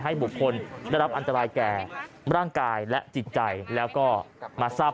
บุคคลได้รับอันตรายแก่ร่างกายและจิตใจแล้วก็มาทราบ